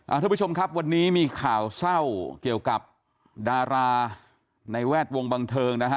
ทุกผู้ชมครับวันนี้มีข่าวเศร้าเกี่ยวกับดาราในแวดวงบันเทิงนะฮะ